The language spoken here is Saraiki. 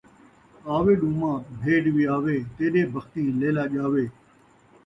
آ وے ݙوما بھیݙ ویاوے، تیݙے بختیں لیلا ڄاوے